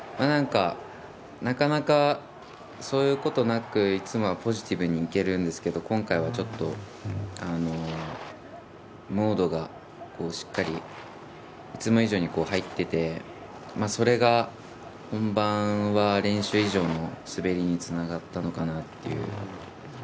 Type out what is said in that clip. なかなか、そういうことなくいつもはポジティブに行けるんですけど今回はちょっとモードがしっかりいつも以上に入っていてそれが本番は練習以上の滑りにつながったのかなという。